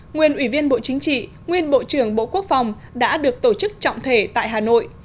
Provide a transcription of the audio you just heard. nguyên ủy viên bộ chính trị nguyên bộ trưởng bộ quốc phòng đã được tổ chức trọng thể tại hà nội